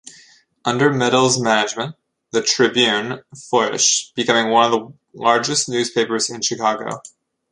Under Medill's management, the "Tribune" flourished, becoming one of the largest newspapers in Chicago.